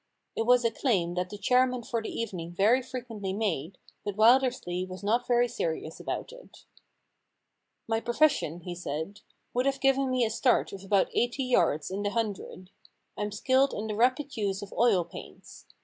It was a claim that the chairman for the evening very fre quently made, but Wildersley was not very serious about it. * My profession,' he said, * would have given me a start of about eighty yards in the hundred. Fm skilled in the rapid use of oil H7 The Problem Club paints.